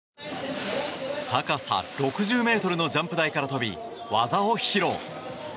高さ６０ｍのジャンプ台から飛び、技を披露。